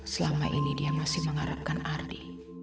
selama ini dia masih mengharapkan ari